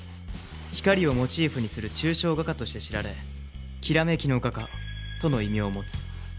光をモチーフにする抽象画家として知られ「煌めきの画家」との異名を持つ